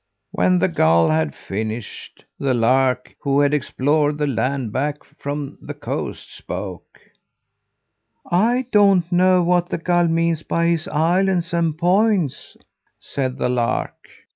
"When the gull had finished, the lark, who had explored the land back from the coast, spoke: "'I don't know what the gull means by his islands and points,' said the lark.